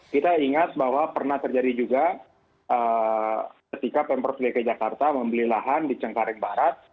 kita ingat bahwa pernah terjadi juga ketika pemprov dki jakarta membeli lahan di cengkareng barat